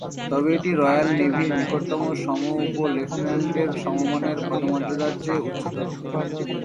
তবে এটি রয়্যাল নেভির নিকটতম সম -উপ-লেফটেন্যান্টের সমমানের পদমর্যাদার চেয়ে উচ্চতর।